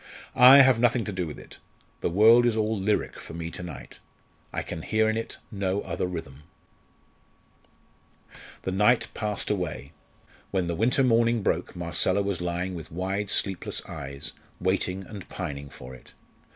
I have nothing to do with it. The world is all lyric for me to night. I can hear in it no other rhythm." The night passed away. When the winter morning broke, Marcella was lying with wide sleepless eyes, waiting and pining for it.